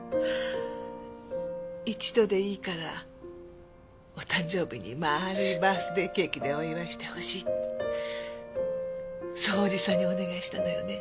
一度でいいからお誕生日にまるいバースデーケーキでお祝いしてほしいってそうおじさんにお願いしたのよね。